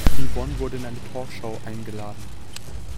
Yvonne wurde in eine Talkshow eingeladen.